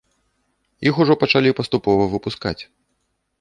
Іх ужо пачалі паступова выпускаць.